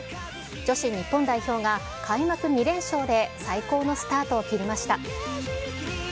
女子日本代表が開幕２連勝で最高のスタートを切りました。